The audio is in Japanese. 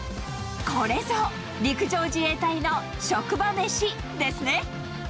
これぞ、陸上自衛隊の職場メシですね。